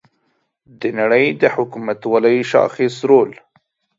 د نړۍ د حکومتولۍ شاخص رول